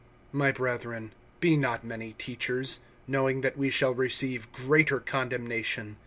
MY brethren, be not many teachers, knowing that we shall receive greater condemnation.